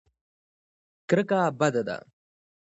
کرکه بده ده.